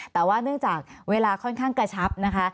แต่ว่าเนื่องจากเวลาค่อนข้างกระชับนะคะ